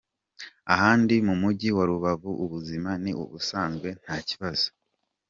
Ahandi mu Mujyi wa Rubavu ubuzima ni ubusanzwe nta kibazo.